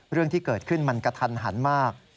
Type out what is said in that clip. เรื่องที่เกิดขึ้นมันกระทันหันมาก